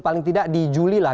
paling tidak di juli lah